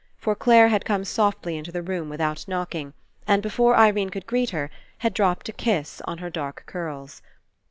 For Clare had come softly into the room without knocking, and before Irene could greet her, had dropped a kiss on her dark curls.